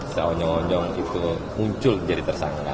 seonyong onyong itu muncul jadi tersangka